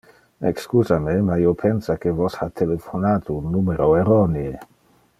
Excusa me, ma io pensa que vos ha telephonate un numero erronee.